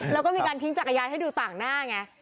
แล้วก็มีการทิ้งจักรยานให้ดูต่างหน้าไง